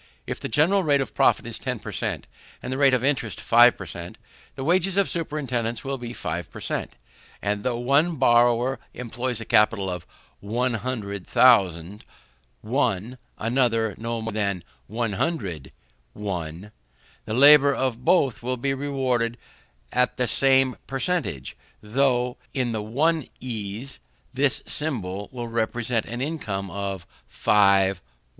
If the general rate of profit is 10 per cent, and the rate of interest 5 per cent, the wages of superintendance will be 5 per cent; and though one borrower employ a capital of 100,000_l_., another no more than 100_l_., the labour of both will be rewarded with the same per centage, though, in the one ease, this symbol will represent an income of 5_l_.